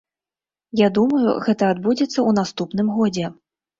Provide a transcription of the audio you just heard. Я думаю, гэта адбудзецца ў наступным годзе.